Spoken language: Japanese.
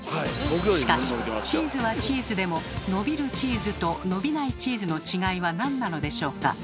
しかしチーズはチーズでも「伸びるチーズ」と「伸びないチーズ」の違いはなんなのでしょうか？